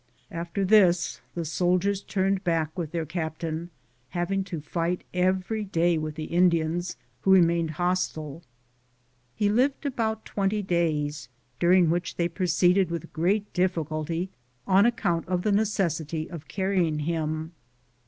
After this the soldiers turned back with their captain, having to fight every day with the Indians, who had remained hostile. He lived about twenty days, during which they proceeded with great difficulty on account of the necessity of carrying him.